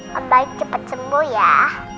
yang baik cepat sembuh